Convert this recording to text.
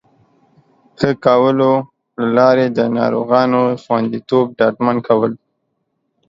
ښه کولو له لارې د ناروغانو خوندیتوب ډاډمن کول